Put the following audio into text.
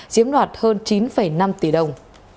chiếm đoạt hơn chín năm tỷ đồng